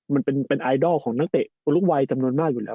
มันเป็นไอดอลของนักเตะคนลูกวัยจำนวนมากอยู่แล้ว